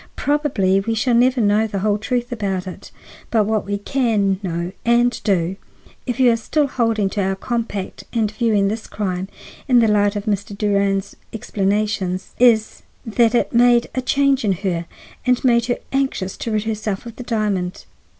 Probably we shall never know the whole truth about it; but what we can know and do, if you are still holding to our compact and viewing this crime in the light of Mr. Durand's explanations, is that it made a change in her and made her anxious to rid herself of the diamond.